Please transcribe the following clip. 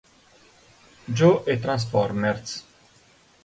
Joe e Transformers.